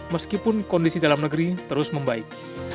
meskipun kondisi dalam negeri terus membaik